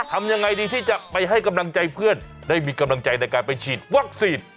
ทำยังไงดีที่จะไปให้กำลังใจเพื่อนได้มีกำลังใจในการไปฉีดวัคซีน